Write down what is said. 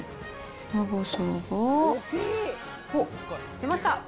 長さが、おっ、出ました。